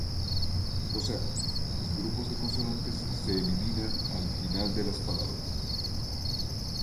O sea: los grupos de consonantes se eliminan al final de las palabras.